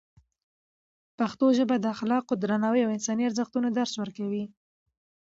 پښتو ژبه د اخلاقو، درناوي او انساني ارزښتونو درس ورکوي.